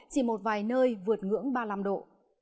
chỉ một vài nơi vượt ngưỡng ba mươi năm độ